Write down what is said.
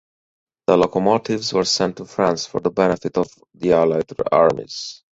The locomotives were sent to France for the benefit of the Allied armies.